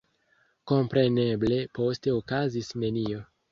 Kompreneble poste okazis nenio.